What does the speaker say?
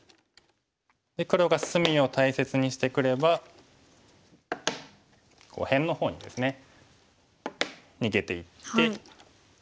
で黒が隅を大切にしてくれば辺の方にですね逃げていって。